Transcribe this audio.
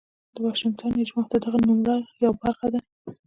د واشنګټن اجماع د دغه نوملړ یوه برخه ده.